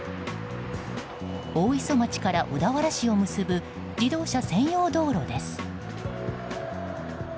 大磯町から小田原市を結ぶ自動車専用道路です。